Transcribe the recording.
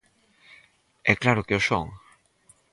E claro que o son.